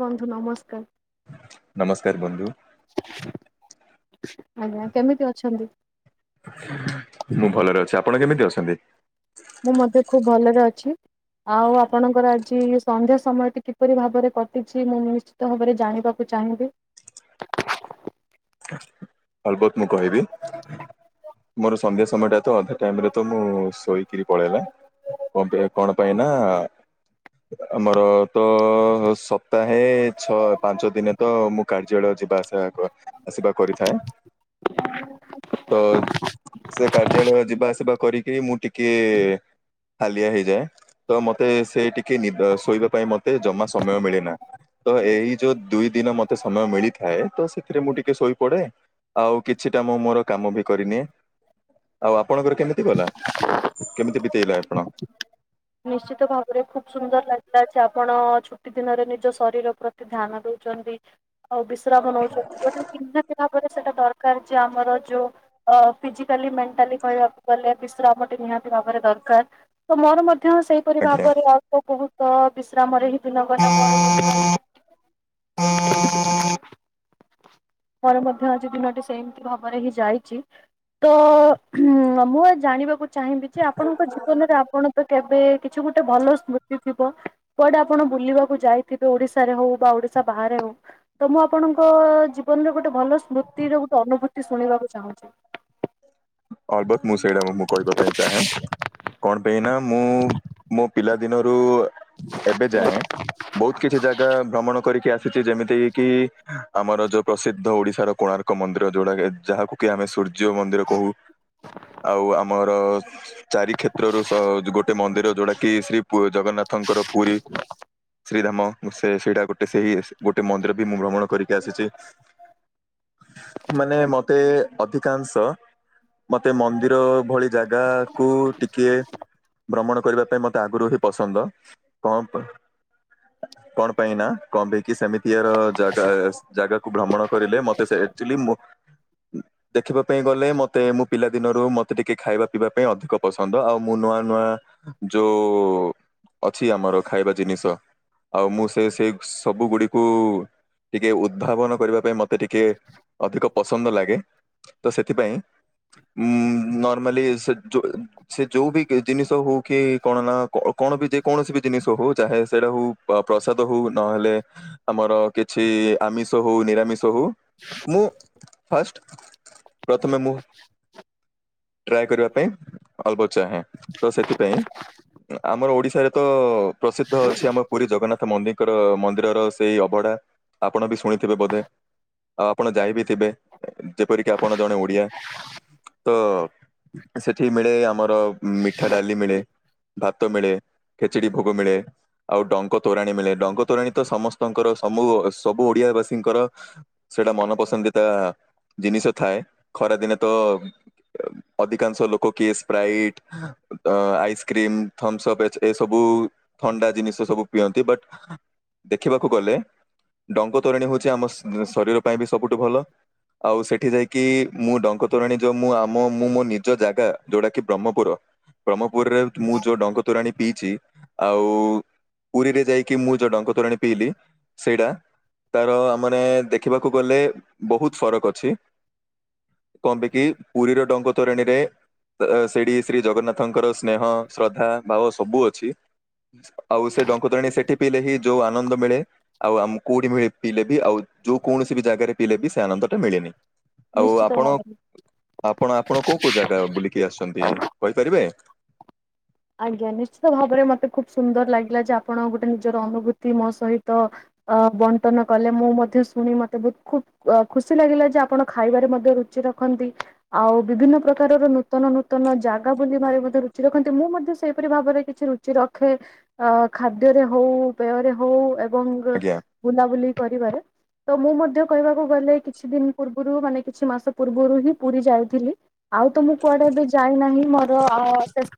ବନ୍ଧୁ ନମସ୍କାର ନମସ୍କାର ବନ୍ଧୁ। ଆଜ୍ଞା କେମିତି ଅଛନ୍ତି? ମୁଁ ଭଲରେ ଅଛି ଆପଣ କେମିତି ଅଛନ୍ତି? ମୁଁ ମଧ୍ୟ ଖୁବ ଭଲରେ ଅଛି ଆଉ ଆପଣଙ୍କର ଆଜି କି ସନ୍ଧ୍ୟା ସମୟଟି କିପରି ଭାବରେ କଟିଛି ମୁଁ ନିଶ୍ଚିତ ଭାବରେ ଜାଣିବାକୁ ଚାହିଁବି? [inaudible] ଅଲବତ ମୁଁ କହିବି ମୋର ସନ୍ଧ୍ୟା ସମୟ ଟା ତ ଅଧା ଟାଇମ ରେ ତ ମୁଁ ଶୋଇକିରି ପଳେଇଲା। [unintelligible] କଣ ପାଇଁ ନା-ଆ? ଆମର ତ-ଅ ସପ୍ତାହେ-ଏ ଛଅ ପାଞ୍ଚ ଦିନେ ତ ମୁଁ କାର୍ଯ୍ୟଳୟ ଯିବା ଆସିବା କରି ଆସିବା କରିଥାଏ, ତ ସେ କାର୍ଯ୍ୟାଳୟ ଯିବା ଆସିବା କରିକି ମୁଁ ଟିକେ-ଏ ହାଲିଆ ହେଇଯାଏ, ତ ମତେ ସେ ଟିକେ ନିଦ ଶୋଇବା ପାଇଁ ମତେ ଜମା ସମୟ ମିଳେନା। ତ ଏଇ ଯୋଉ ଦୁଇ ଦିନ ମତେ ସମୟ ମିଳିଥାଏ ତ ସେଥିରେ ମୁଁ ଟିକି କେ ଶୋଇପଡେ ଆଉ କିଛିଟା ମୁଁ ମୋର କାମ ବି କରିନିଏ। ଆଉ ଆପଣଙ୍କର କେମିତି ଗଲା କେମିତି ବିତେଇଲେ ଆପଣ? ନିଶ୍ଚିତ ଭାବରେ ଖୁବ୍ ସୁନ୍ଦର ଲାଗିଲା ଚାପ୍ ପଣ-ଅ ଛୁଟି ଦିନରେ ନିଜ ଶରୀର ପ୍ରତି ଧ୍ୟାନ ଦୋଉଚନ୍ତି। ଆଉ ବିଶ୍ରାମ ନୋଉଛନି [unintelligible] ପରେ। ସେଟା ଦରକାର ଯେ ଆମର ଯୋଉ ଅ-ଫିଜିକାଲି ମେଣ୍ଟାଲି କହିବାକୁ ଗଲେ ବିଶ୍ରାମ ଟେ ନିହାତି ଭାବରେ ଦରକାର୍ ତ ମୋର ମଧ୍ୟ ସେଇପରି ଆଜ୍ଞା ଭାବରେ ଅଳ୍ପ ବହୁତ-ଅ ବିଶ୍ରାମରେ ହିଁ ଦିନ [unintelligible] ମୋର ମଧ୍ୟ ଆଜି ଦିନଟି ସେମିତି ଭାବରେ ହିଁ ଯାଇଚି। ତ-ଅ ଉଁ ହୁଁ ମୁଁ ଏ ଜାଣିବାକୁ ଚାହିଁବି ଯେ ଆପଣଙ୍କ ଜୀବନରେ ଆପଣ ତ କେବେ-ଏ କିଛି ଗୋଟେ ଭଲ ସ୍ମୃତି ଥିବ କୁଆଡେ ଆପଣ ବୁଲିବାକୁ ଯାଇଥିବେ ଓଡିଶାରେ ହଉ ବା ଓଡି ଶା ବାହାରେ ହୋଉ ତ ମୁଁ ଆପଣଙ୍କ-ଅ ଜୀବନରେ ଗୋଟେ ଭଲ ସ୍ମୃତିର ଗୋଟେ ଅନୁଭୂତି ଶୁଣିବାକୁ ଚାହୁଁ ଚି? ଅଲବତ୍ ମୁଁ ସେଇଟା ମୁଁ କହିବା ପାଇଁ ଚାହେଁ କଣ ପାଇଁ ନା ମୁଁ ମୋ ପିଲା ଦିନରୁ-ଉ ଏବେ ଯାଏଁ ବହୁତ କିଛି ଜାଗା ଭ୍ରମଣ କରିକି ଆସି ସିଚି ଯେମିତିକି କି-ଇ ଆମର ଯୋଉ ପ୍ରସିଦ୍ଧ ଓଡିଶାର କୋଣାର୍କ ମନ୍ଦିର ଯୋଉଟା କି ଯାହାକୁ କି ଆମେ ସୂ ଯ୍ୟ ମନ୍ଦିର କହୁ ଆଉ ଆମର ଚାରି କ୍ଷେତ୍ରରୁ ସ-ଯ ଗୋଟେ ମନ୍ଦିର ଯୋଉଟା କି ଶ୍ରୀ ପୁ ଜଗନ୍ନାଥଙ୍କର ପୁରୀ ଶ୍ରୀଧାମ ସେ ସେଇଟା ଗୋଟେ ସେହି ଏସ୍ ଗୋଟେ ମନ୍ଦିର ବି ମୁଁ ଭ୍ରମଣ କରିକି ଆସିଛି। ମାନେ ମତେ-ଏ ଅଧିକାଂଶ ମତେ ମନ୍ଦିର-ଅ ଭଳି ଜାଗା-ଆ କୁୁ-ଉ ଟିକିଏ ଭ୍ରମଣ କରିବା ପାଇଁ ମତେ ଆଗୁରୁ ହି ପସନ୍ଦ, କଁପ୍? [inaudible] କଣ ପାଇଁ ନା କମ୍ ଦେଇକି ସେମିତିଆର-ଅ ଜାଗା-ଆସ୍ ଜାଗାକୁ ଭ୍ରମଣ କରିଲେ ମତେସେ ଏକ୍ଚଲି ମୋ ଦେଖିବା ପାଇଁ ଗଲେ ମତେ ମୁଁ ପିଲା ଦିନରୁ ମତେ ଟିକେ ଖାଇବା ପିଇବା ପାଇଁ ଅଧିକ ପସନ୍ଦ ଆଉ ମୁଁ ନୂଆ ନୂଆ ଯୋଉ-ଉ ଅଛି ଆମର ଖାଇବା ଜିନିଷ ଆଉ ମୁଁ ସେ ସେଇ ସବୁ ଗୁଡିକୁ-ଉ ଟିକେ ଉଦ୍ଭାବନ କରିବା ପାଇଁ ମତେ ଟିକେ ଅଧିକ ପସନ୍ଦ ଲାଗେ। ତ ସେଥିପାଇଁ ଉଁ-ଉ ନର୍ମାଲି ସେ ଯୋ ସେ ଯୋଉ ବି ଗି ଜିନିଷ ହଉ କି କଣ ନା କ-କ କଣ ବି ଯେକୌଣସି ବି ଜିନିଷ ହୋଉ ଚାହେ ସେଇଟାକୁ-ଉ ଅ-ପ୍ରସାଦ ହୋଉ ନହେଲେ ଆମର-ଆ କିଛି-ଇ ଇଏ ଆମିଷ ହୋଉ, ନିରାମିଷ ହୋଉ ମୁଁ ଫାଷ୍ଟ ପ୍ରଥମେ ମୁ ଟ୍ରାଏ କରିବା ପାଇଁ ଅଳ୍ପ ଚାହେଁ ତ ସେଥିପାଇଁ ଆମର ଓଡିଶାରେ ତ-ଅ ପ୍ରସିଦ୍ଧ ଅଛି ଆମର୍ ପୁରୀ ଜଗନ୍ନାଥ ମନ୍ଦିଙ୍କର ମନ୍ଦିରର ସେଇ ଅବଢା। ଆପଣ ବି ଶୁଣିଥିବେ ବୋଧେ? ଆଉ ଆପଣ ଯାଇ ବିି ଥିବେ, ଯେପରିକି ଆପଣ ଜଣେ ଓଡିଆ। ତ-ଅ ସେଠି ମିଳେ ଆମର ମିଠା ଡାଲି ମିଳେ। ଭାତ ମିଳେ, ଖେଚିଡି ଭୋଗ ମିଳେ, ଆଉ ଡଙ୍କ ତୋରାଣୀ ମିଳେ, ଡଙ୍କ ତୋରାଣୀ ତ ସମସ୍ତଙ୍କର ସମ୍ହୁ-ଉ ସବୁ ଓଡିଆ ବାସୀଙ୍କର ସେଇଟା ମନପସନ୍ଦିତା-ଆ ଜିନିଷ ଥାଏ ଖରା ଦିନେ ତ-ଅ ଏ ଅଧିକାଂଶ ଲୋକ କିଏ ସ୍ପ୍ରାଇଟ, ଅଁ ଆଇସ୍ କ୍ରିମ, ଥମ୍ସପ୍ ଏଚ୍ ଏ ସବୁ-ଉ ଥଣ୍ଡା ଜିନିଷ ସବୁ ପିଅନ୍ତି, ବଟ୍ ଦେଖିବାକୁ ଗଲେ ଡଙ୍କ ତୋରାଣୀ ହୋଉଚି ଆମ ଶ-ଶରୀର ପାଇଁ ବି ସବୁଠୁ ଭଲ। ଆଉ ସେଠି ଯାଇକି ମୁଁ ଡଙ୍କ ତୋରାଣି ଯୋଉ ମୁଁ ଆମ ମୁଁ ମୋ ନିଜ ଜାଗା ଯୋଉଟା କି ବ୍ରହ୍ମପୁର ବ୍ରହ୍ମପୁ। ପୁରୀରେ ମୁଁ ଯୋଉ ଡଙ୍ଗ ତୋରାଣୀ ପିଇଛି। ଆଉ ପୁରୀରେ ଯାଇକି ମୁଁ ଯୋଉ ଡଙ୍ଗତୋରାଣୀ ପିଇଲି ସେଇଟା ତାର ଆମେ ନଦେଖିବାକୁ। କୁ ଗଲେ ବହୁତ୍ ଫରକ୍ ଅଛି। କଣ ପାଇଁ କି ପୁରୀର ଡଙ୍କ ତୋରଣୀରେ ଅ ସେଠି ଶ୍ରୀ ଜଗନ୍ନାଥଙ୍କର ସ୍ନେହ, ଶ୍ରଦ୍ଧା ଭାବ ସବୁ ଅଛି। ଆଉ ସେ ଡଙ୍କତୋରଣୀ ସେଠି ପିଇଲେ ହିଁ ଯୋଉ ଆନନ୍ଦ ମିଳେ ଆଉ ଆମ କୋଉଠି ପିଇଲେ ବି ଆଉ ଯୋଉ କୌଣସି ବି ଜାଗାରେ ପିଇଲେ ବି ସେ ଆନନ୍ଦଟା ମିଳେନି। ଆଉ ନିଶ୍ଚିତ ଆପଣ ଭାବରେ -ଆପଣ -ଆପଣ କୋଉ କୋଉ ଜାଗା ବୁଲିକି ଆସିଛନ୍ତି କହିପାରିବେ? ଆଜ୍ଞା ନିଶ୍ଚିତ ଭାବରେ ମତେ ଖୁବ ସୁନ୍ଦର ଲାଗିଲା ଯେ ଆପ ଆପଣ ଗୋଟେ ନିଜର ଅନୁଭୂତି ମୋ ସହିତ ଅ ବଣ୍ଟନ କଲେ। ମୁଁ ମଧ୍ୟ ଶୁଣି ମତେ ବହୁତ ଖୁବ ଅ ଖୁସି ଲାଗିଲା ଯେ ଆପଣ ଖାଇବାରେ ମଧ୍ୟ ରୁଚି ରଖନ୍ତି। ଆଉ ବିଭିନ୍ନ ପ୍ରକାରର ନୂତନ ନୂ ନୂତନ ଜାଗା ବୋଲି ଭାରି ରୁଚି ରଖନ୍ତି। ମୁଁ ମ ସେପରି ଭାବରେ କିଛି ରୁଚି ରଖେ ଅ ଖାଦ୍ୟରେ ହଉ ପେୟରେ ହଉ। ଏବଂ ଆଜ୍ଞା ବୁଲାବୁଲି କରିବାରେ ତ ମୁଁ ମଧ୍ୟ କହିବାକୁ ଗଲେ କିଛି ଦିନ ପୂର୍ ରୁ ମାନେ କିଛି ମାସ ପୂର୍ବରୁ ହିଁ ପୁରୀ ଯାଇଥିଲି। ଆଉ ତ ମୁଁ କୁଆଡେ ଏବେ ଯାଇନାହିଁ। ମୋର ଆ ଶେଷ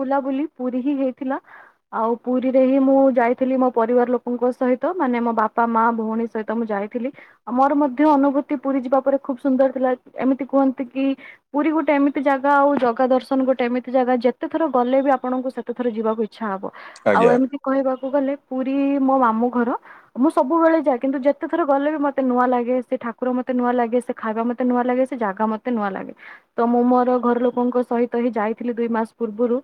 ବୁଲାବୁଲି ପୁରୀ ହିଁ ହେଇଥିଲା। ଆଉ ପୁରୀରେ ହିଁ ମୁଁ ଯାଇଥିଲି ମୋ ପରିବାର ଲୋକଙ୍କ ସହିତ ମାନେ ମୋ ବାପା, ମା, ଭଉଣୀ ସହିତ ମୁଁ ଯାଇ ଥିଲି। ମୋର ମଧ୍ୟ ଅନୁଭୂତି ପୁରୀ ଯିବା ପରେ ଖୁବ ସୁନ୍ଦର ଥିଲା। ଏମିତି କୁହନ୍ତି କି ପୁରୀ ଗୋଟେ ଗୋଟେ ଏମିତି ଜାଗା ଆଉ ଜଗା ଦର୍ଶନ ଗୋଟେ ଏମିତି ଜାଗା ଯେତେ ଏ ଥର ଗଲେ ବି ଆପଣଙ୍କୁ ସେତେଥର ଯିବାକୁ ଇଚ୍ଛା ହବ। ଆଉ ଆଜ୍ଞା ଏମିତି କହିବାକୁ ଗଲେ ପୁରୀ ମୋ ମାମୁଁ ଘର। ମୁଁ ସବୁବେଳେ ଯାଏ କିନ୍ତୁ ଯେତେଥର ଗଲେ ବି ମତେ ନୂଆ ଲାଗେ। ସେ ଠାକୁର ମତେ ନୂଆ ଲାଗେ, ସେ ଖାଇବା ମତେ ନୂଆ ଲାଗେ, ସେ ଜାଗା ମତେ ନୂଆ ଲାଗେ ତ ମୁଁ ମୋର ଘର ଲୋକଙ୍କ ସହିତ ଯାଇଥିଲି ଦୁଇ ମାସ ପୂର୍ବରୁ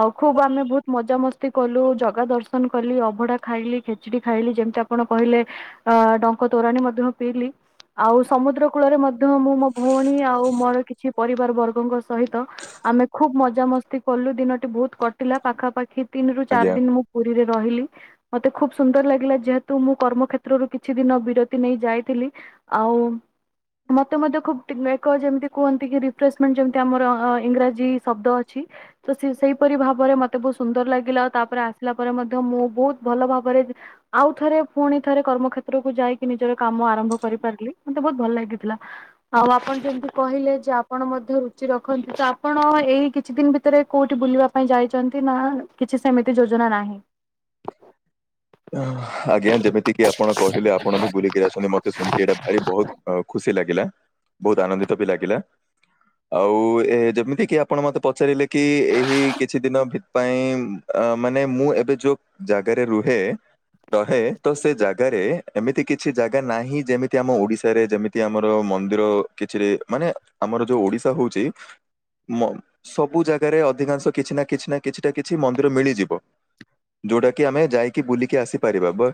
ଆଉ ଖୁବ ଆମେ ବହୁତ ମଜାମସ୍ତି ତିକଲୁ ଜଗା ଦର୍ଶନ କଲି, ଅଭଡା ଖାଇଲି, ଖେଚଡି ଖାଇଲି ଯେମତି ଆପଣ କହିଲେ ଆ ଡଙ୍କ ତୋରାଣି ମଧ୍ୟ ମୁଁ ପିଇଲି। ଆଉ ସମୁଦ୍ର କୂଳରେ ମଧ୍ୟ ମୁଁ ମୋ ଭଉଣୀ ଆଉ ମୋର କିଛି ପରିବାର ବର୍ଗଙ୍କ ସହିତ ଆ ଆମେ ଖୁବ୍ ମଜାମସ୍ତି କଲୁ। ଦିନଟି ବହୁତ କଟିଲା ପାଖାପାଖି ତିନି ରୁ ଚାରି ଆଜ୍ଞା। ଦିନ ମୁଁ ପୁରୀ ରହିଲି। ମତେ ଖୁବ ସୁନ୍ଦର ଲାଗିଲା ଯେହେତୁ ମୁଁ କର୍ମକ୍ଷେତ୍ରରୁ କିଛି ଦିନ ବିରତି ନେଇ ଯାଇଥିଲି। ଆଉ ମତେ ମଧ୍ୟ ଖୁବ ଟି ଏକ ଯେମିତି କୁହନ୍ତି କି ରିଫ୍ରେଶମେଣ୍ଟ ଆମର ଇଂରାଜୀ ଶବ୍ଦ ଅଛି। ତ ସେ ସେଇପରି ଭାବରେ ମତେ ବହୁତ ସୁନ୍ଦର ଲାଗିଲା। ଆଉ ତାପରେ ଆସିଲା ପରେ ମଧ୍ୟ ମୁଁ ବହୁତ ଭଲ ଭାବରେ ଆଉ ଥରେ ପୁଣି ଥରେ କର୍ମକ୍ଷେତ୍ରକୁୁ ଯାଇକି ନିଜର କାମ ଆରମ୍ଭ କରିପାରିଲି। ମତେ ବହୁତ ଭଲ ଲାଗିଥିଲା। ଆଉ ଆପଣ ଯେମିତି କହିଲେ ଯେ ଆପଣ ମଧ୍ୟ ରୁଚି ରଖନ୍ତି। ତ ଆପଣ ଏଇ କିଛି ଦି ଭିତରେ କୋଉଠି ବୁଲିବା ପାଇଁ ଯାଇଛନ୍ତି ନା କିଛି ସେମିତି ଯୋଜନା ନାହିଁ? ଆଜ୍ଞା ଯେମିତି କିି ଆପଣ କହିଲେ ଆପଣ ବି ବୁଲିକିରି ଆସଛନ୍ତି। ମତେ ଶୁଣିକି ଏଇଟା ଭାରି ବହୁତ ଖୁସି ଲାଗିଲା। ବହୁତ ଆନନ୍ଦିତ ବି ଲାଗିଲା, ଆଉ ଏ ଯେମିତି କି ଆପଣ ମତେ ପଚାରିଲେ କି ଏହି କିଛି ଦିନ ଭି ପାଇଁ ଅ ମାନେ ମୁଁ ଏବେ ଯୋଉ ଜାଗାରେ ରୁ ହେ। ରହେ ତ ସେ ଜାଗାରେ ଏମିତି କିଛି ଜାଗା ନାହିଁ। ଯେମିତି ଆମ ଓଡିଶାରେ ଯେମିତି ଆମର ମନ୍ଦିର କିଛିରେ ମାନେ ଆମର ଯୋଉ ଓଡିଶା ହଉଛି ମ ସବୁ ଜାଗାରେ ଅଧିକାଂଶ କିଛି ନା- କିଛି ନା- କିଛି ନା- କିଛି ମନ୍ଦିର ମିଳିଯିବ। ଯୋଉଟା କି ଆମେ ଯାଇକି ବୁଲିକି ଆସିପାରିବା ବ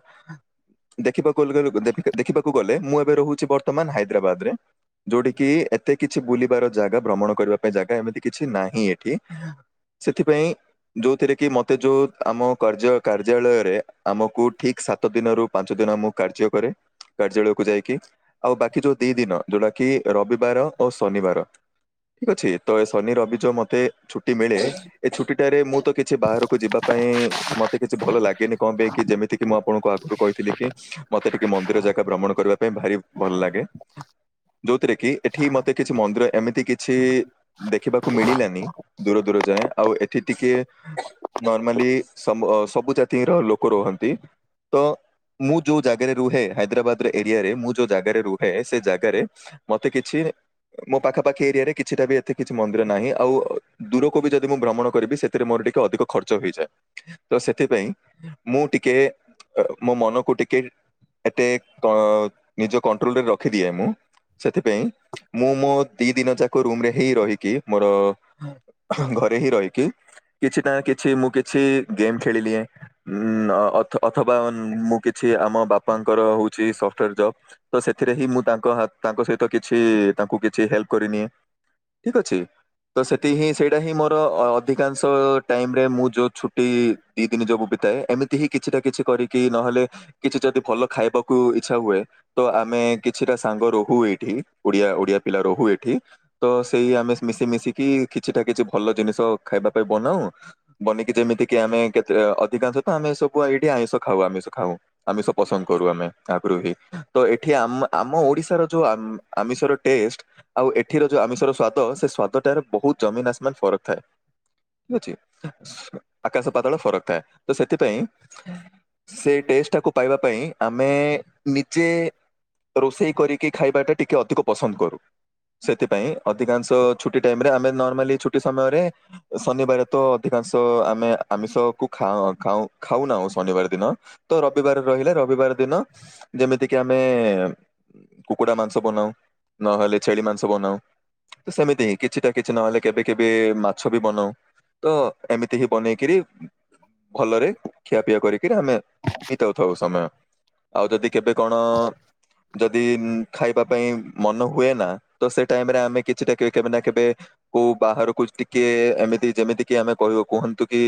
ଦେଖିବାକୁ ଗ ଦେଖିବାକୁ ଗଲେ। ମୁଁ ଏବେ ରହୁଛି ବର୍ତ୍ତମାନ ହାଇଦ୍ରାବାଦରେ। ଯୋଉଠି କିି ଏତେ କିଛି ବୁଲିବାର ଜାଗା, ଭ୍ରମଣ କରିବା ପାଇଁ ଜାଗା ଏମିତି କିଛି ନାହିଁ ଏଠି। ସେଥିପାଇଁ ଯୋଉଥିରେ କି ମତେ ଯୋଉ ଆମ କା କାର୍ଯ୍ୟାଳୟରେ ଆମକୁ ଠିକ୍ ସାତ ଦିନରୁ ପାଞ୍ଚ ଦିନ ଯୋଉ ଦିନ ମୁଁ କାର୍ଯ୍ୟ କରେ କାର୍ଯ୍ୟାଳୟକୁ ଯାଇକି। ଆଉ ବାକି ଯୋଉ ଦି ଦିନ ଯୋଉଟା କି ରବିବାର ଆଉ ଶନିବାର ଠିକ ଅଛି ତ ଶନି ରବି ଯୋ ମତେ ଛୁଟି ମିଳେ ଏ ଛୁଟି ଠାରେ ମୁଁ ତ କିଛି ବାହାରକୁ ଯିବା ପାଇଁ ମତେ କିଛି ଭଲ ଲାଗେନି କଣ ପାଇଁ କି ଯେମିତି କିି ମୁଁ ଆପଣଙ୍କୁ ଆଗରୁ କହିିଥିଲି କହିଥିଲି କି ମତେ ଟିକେ ମନ୍ଦିର ଜାଗା ଭ୍ରମଣ କରିବା ପାଇଁ ଭାରି ଭଲ ଲାଗେ। ଯୋଉଥିରେ କି ଏଠି ମତେ କିଛି ମନ୍ଦିର ଏମିତି କିଛି ଦେଖିବାକୁ ମିଳିଲାନି। ଦୂର ଦୂର ଯାଏ ଆଉ ଏଠି ଟିକେ ନର୍ମାଲି ସବୁ ଅ ସବୁ ଜାତିର ଲୋକ ରୁହ ନ୍ତି ତ ମୁଁ ଯୋଉ ଜାଗାରେ ରୁହେ ହାଇଦ୍ରାବାଦ ଏରିଆରେ ମୁଁ ଯୋଉ ଜାଗାରେ ରୁହେ ସେ ଜାଗାରେ ମତେ କିଛି ମୋ ପାଖା ପାଖି ଏରିଆ ରେ କିଛିଟା ବି ଏତେ କିଛି ମନ୍ଦିର ନାହିଁ ଆଉ ଦୂରକୁ ବି ଯଦି ମୁଁ ଭ୍ରମଣ କରିବି ସେଥିରେ ମୋର ଟିକେ ଅଧିକ ଖର୍ଚ୍ଚ ହେଇଯାଏ। ତ ସେଥିପାଇଁ ମୁଁ ଟିକେ ଅ ମୋ ମନକୁ ଟିକେ ଏତେ କ ନିଜକୁ କଣ୍ଟ୍ରୋଲରେ ରଖିଦିଏ ମୁଁ ସେଥିପାଇଁ ମୁଁ ମୋ ଦି ଦିନ ଯାକ ରୁମରେ ହିଁ ରହିକି ମୋର ଘରେ ହିଁ ରହିକି କିଛି ନା କିଛି ମୁଁ କିଛି ଗେମ୍ ଖେଳି ନିଏ ଉ ଅଥ ଅଥବା ମୁଁ କି କିଛି ଆମ ବାପାଙ୍କର ହଉଛି ସଫ୍ଟ ୱାର ଜବ ତ ସେଥିରେ ହିଁ ମୁଁ ତା ତାଙ୍କ ସହିତ କିଛି ତା କିଛି ହେଲ୍ପ କରି ନିଏ ଠିକ ଅଛି। ତ ସେଥି ହିଁ ସେଇଟା ହିଁ ମୋର ଅଧିକାଂଶ ଟାଇମରେ ମୁଁ ଯୋଉ ଛୁଟି ଦି ଦିନ ଯୋକୁ ବିତାଏ ଏମିତି ହିଁ କିଛି ନା କିଛି କରିକି ନହେଲେ କିଛି ଯଦି ଭଲ ଖାଇ ବାକୁ ଇଛା ହୁଏ ତ ଆମେ କିଛିଟା ସାଙ୍ଗ ରହୁ ଏଇଠି ଓଡିଆ ଓଡିଆ ପିଲା ରହୁ ଏଇଠି। ତ ସେଇ ଆମେ ମିଶି ମିଶିକି କିଛିଟା କିଛି ଭଲ ଜିନିଷ ଖାଇବା ପାଇଁ ବନାଉ ବନେଇକି ଯେମିତି କି ଆମେ କେତେ ଅ ଅଧିକାଂଶ ତ ଆମେ ସବୁ ଏଇଠି ଆଇଶ ଖାଉ ଆମିଷ ଖାଉ ଆମିଷ ପସନ୍ଦ କରୁ ଆମେ ଆଗରୁ ହିଁ ତ ଏଠି ଆମ ଆମ ଓଡିଶାର ଯୋଉ ଆ ଆମିଷର ଟେଷ୍ଟ ଆଉ ଏଠିର ଯୋଉ ଆମିଷର ସ୍ଵାଦ ସେ ସ୍ଵାଦ ଟାରେ ବହୁତ ଜମିନ୍ ଆସମାନ ଫରକ ଥାଏ ଠିକ ଅଛି। ଆକାଶ ପାତାଳ ଫରକ ଥାଏ ତ ସେଥିପାଇଁ ସେ ଟେଷ୍ଟ ଟାକୁ ପାଇବା ପାଇଁ ଆମେ ନିଜେ ରୋଷେଇ କରିକି ଖାଇବା ଟା ଟିକେ ଅଧିକ ପସନ୍ଦ କରୁ ସେଥି ପାଇଁ ଅଧିକାଂଶ ଛୁଟି ଟାଇମରେ ଆମେ ନର୍ମାଲି ଛୁଟି ସମୟରେ ଶନିବାର ତ ଅଧିକାଂଶ ଆମେ ଆମିଷକୁ ଖାଅ ଖାଉ ଖାଉନାହୁଁ ଶନିବାର ଦିନ। ତ ରବିବାର ରହିଲେ ରବିବାର ଦିନ ଯେମିତିକି ଆମେ କୁକୁଡ଼ା ମାଂସ ବନାଉ ନହେଲେ ଛେଳି ମାଂସ ବନାଉ। ତ ସେମିତି ହିଁ କିଛିଟା କିଛି ନହେଲେ କେବେ କେବେ ମାଛ ବି ବନାଉ। ତ ଏମିତି ହିଁ ବନେଇକିରି ଭଲରେ ଖିଆପିଆ କରିକିରି ଆମେ ବିତାଉଥାଉ ସମୟ। ଆଉ, ଯଦି କେବେ କଣ-ଅ ଯଦି ଖାଇବା ପାଇଁ ମନ ହୁଏ ନା! ତ ସେ ଟାଇମ୍ ରେ ଆମେ କିଛିଟା କେବେ ନା କେବେ କୋଉ ବାହାରକୁ ଟିକେ, ଏମିତି ଯେମିତି କି ଆମେ କହିବୁ କୁହନ୍ ନ୍ତୁ କି,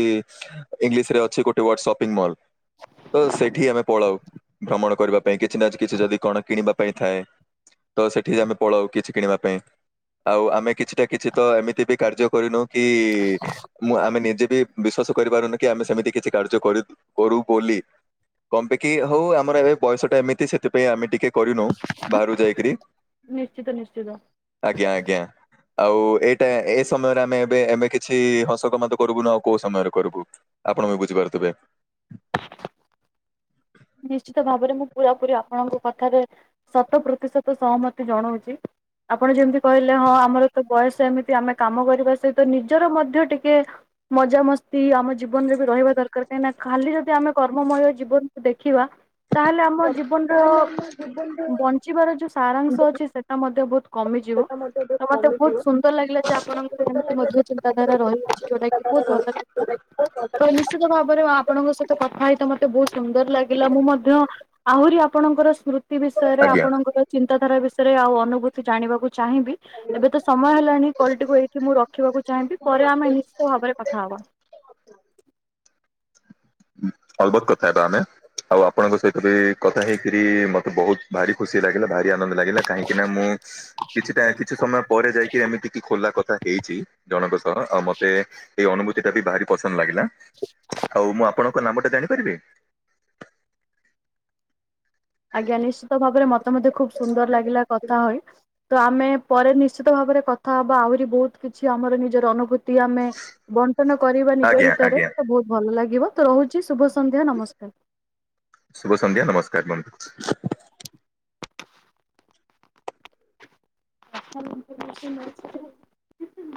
ଇଂଲିଶ ରେ ଅଛି ଗୋଟ ୱାର୍ଡ ସପିଙ୍ଗ୍ ମଲ୍। ତ ସେଠି ଆମେ ପଳାଉ ଭ୍ରମଣ କରିବା ପାଇଁ। କିଛି ନା କିଛି ଯଦି କଣ କିଣିବା ପାଇଁ ଥାଏ? ତ ସେଠି ଆମେ ପଳାଉ କିଛି କିଣିବା ପାଇଁ? ଆଉ ଆମେ କିଛି ତ କିଛି ତ ଏମିତି ବି କାର୍ଯ୍ୟ କରିନୁ କି, ମୁଁ ଆମେ ନିଜେ ବି ବିଶ୍ଵାସ କରିପାରୁନୁ କି, ଆମେ ସେମିତି କିଛି କାର୍ଯ୍ୟ କରି କରୁ ବୋଲି। କମ୍ ପେଁକି ହଉ, ଆମର ଏବେ ବୟସ ଟା ଏମିତି ସେଥିପାଇଁ, ଆମେ ଟିକେ କରିନୁ ବାହାରୁ ଯାଇକରି ନିଶ୍ଚିତ! ନିଶ୍ଚିତ! ଆଜ୍ଞା, ଆଜ୍ଞା। ଆଉ, ଏଇଟା ଏ ସମୟରେ ଆମେ ଏବେ, ଏମେ କିଛି ହସ ଗମାତ କରୁବୁନୁ, ଆଉ କୋଉ ସମୟରେ କରୁବୁ? ଆପଣ ବି ବୁଝିପାରୁଥିବେ। [inaudible] ନିଶ୍ଚିତ, ଭାବରେ ମୁଁ ପୁରାପୁରୀ ଅପ୍ ଆପଣଙ୍କ କଥାରେ ଶତ ପ୍ରତିଶତ ସହମତି ଜଣଉଛି। ଆପଣ ଯେମିତି କହିଲେ ହଁ, ଆମର ତ ବୟସ ସେମିତି ଆମେ କାମ କରିବା ସହିତ, ନିଜର ମଧ୍ୟ ଟିକେ ମଜାମସ୍ତି ଆମ ଜୀବନରେ ବି ରହିବା ଦ ଦରକାର କାହିଁକି, ନା ଖାଲି ଯଦି ଆମେ, କର୍ମମୟ ଜୀବନକୁ ଦେଖିବା ତାହେଲେ, ଆମ ଜୀବନର ବଞ୍ଚିବାର ଯୋଉ ସାରାଂଶ ଅଛି! ସେଟା ମଧ୍ୟ ବହୁତ କମିଯିବ। ବ। ତ ମତେ ବହୁତ ସୁନ୍ଦର ଲାଗିଲା, ଯେ ଆପଣଙ୍କର ଏମିତି ମଧ୍ୟ ଚିନ୍ତାଧାରା ରହିଅଛି, ଯୋଉଟା କି ବହୁତ ଭଲ ତ ନିଶ୍ଚିତ ଭାବରେ ଆପଣଙ୍କ ସହିତ କଥା ହେଇତ ମତେ ବହୁତ ସୁନ୍ଦର ଲାଗିଲା। ମୁଁ, ମଧ୍ୟ ଆହୁରି ଆପଣଙ୍କର ସ୍ମୃତି ବିଷୟରେ, ଆଜ୍ଞା ଆପଣଙ୍କର ଚିନ୍ତାଧାରା ବିଷୟ ରେ ଆଉ ଅନୁଭୂତି ଜଣିବାକୁ ଚାହିଁବି? ଏବେ ତ ସମୟ ହେଲାଣି, କଲଟିକୁ ଏଇଠି ମୁଁ ରଖିବାକୁ ଚାହିଁବି! ପରେ ଆମେ ନିଶ୍ଚିତ ଭାବରେ କଥା ହବା। ଅଲ୍ ବତ କଥା ହେବା ଆମେ। ଆଉ, ଆପଣଙ୍କ ସହିତ ବି କଥା ହେଇକରି ମତେ ବହୁତ ଭାରି ଖୁସି ଲାଗିଲା, ଭାରି ଆନନ୍ଦ ଲାଗିଲା। କାହିଁକିନା, ମୁଁ କିଛିଟା କିଛି ସମୟ ପରେ ଯାଇକି, ଏମିତି ଖୋଲା କଥା ହେଇଛି ଜଣଙ୍କ ସହ। ଆଉ, ମତେ ଏଇ ଅନୁଭୂତି ଟା ବି ଭାରି ବ ସନ୍ ଲାଗିଲା। ଆଉ, ମୁଁ ଆପଣଙ୍କ କ ନାମ ଟା ଜାଣିପାରିବେ? ଆଜ୍ଞା, ନିଶ୍ଚିତ ଭାବରେ ମତେ ମଧ୍ୟ ଖୁବ ସୁନ୍ଦର ଲାଗିଲା କଥା ହୋଇ ତ, ଆମେ ପରେ ନିଶ୍ଚିତ ଭାବରେ କଥା ହବା, ଆହୁରି ବହୁତ କିଛି ଆମର ନିଜର ଅନୁଭୂତ ଟି ଆମେ ବଣ୍ଟନ କରିବା ନିଜ ଆଜ୍ଞା ଭିତରେ, ଆଜ୍ଞା ତ ବହୁତ ଭଲ ଲାଗିବ। ତ ରହୁଛି ଶୁଭ ସନ୍ଧ୍ୟା ଶୁଭ ସନ୍ଧ୍ୟା ନମସ୍କାର ବନ୍ଧୁ। ନମସ୍କାର। [inaudible]